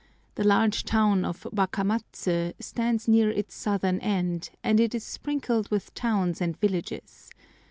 The large town of Wakamatsu stands near its southern end, and it is sprinkled with towns and villages.